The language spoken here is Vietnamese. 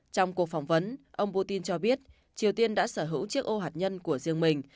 trong cuộc phỏng vấn ông putin cho biết triều tiên đã sở hữu chiếc ô hạt nhân của riêng mình